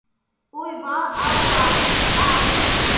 Uivar ao luar